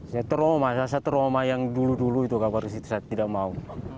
saya trauma saya rasa trauma yang dulu dulu itu saya tidak mau